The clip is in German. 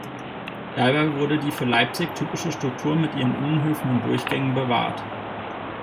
Dabei wurde die für Leipzig typische Struktur mit ihren Innenhöfen und Durchgängen bewahrt.